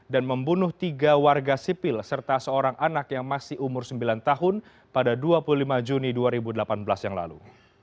dan membunuh tiga warga sipil serta seorang anak yang masih umur sembilan tahun pada dua puluh lima juni dua ribu delapan belas yang lalu